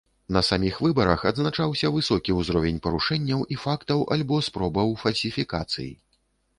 На саміх выбарах адзначаўся высокі ўзровень парушэнняў і фактаў альбо спробаў фальсіфікацый.